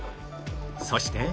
そして